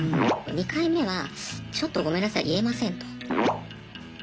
２回目はちょっとごめんなさい言えませんと。